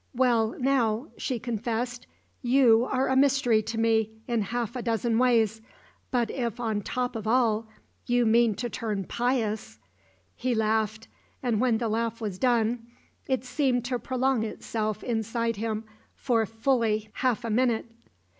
"Well, now," she confessed, "you are a mystery to me in half a dozen ways; but if on top of all you mean to turn pious " He laughed, and when the laugh was done it seemed to prolong itself inside him for fully half a minute.